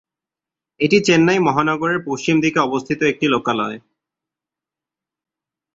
এটি চেন্নাই মহানগরের পশ্চিম দিকে অবস্থিত একটি লোকালয়।